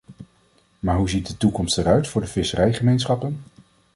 Maar hoe ziet de toekomst eruit voor de visserijgemeenschappen?